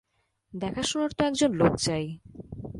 দেখাশুনার তো একজন লোক চাই?